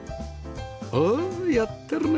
おお！やってるね